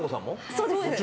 そうです。